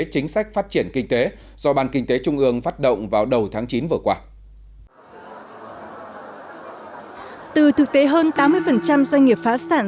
từ thực tế hơn tám mươi doanh nghiệp phá sản